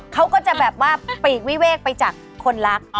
เขาก็จะแบบว่าปีกวิเวกไปจากคนรัก